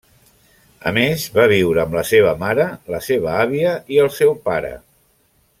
A més va viure amb la seva mare, la seva àvia i el seu pare.